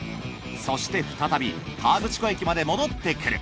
そして再び河口湖駅まで戻ってくる。